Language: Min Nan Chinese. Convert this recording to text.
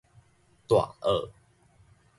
大澳